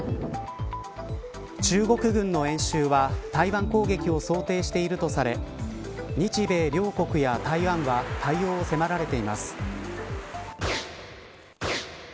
中国軍の演習は台湾攻撃を想定しているとされ日米両国や台湾は対応を迫られています。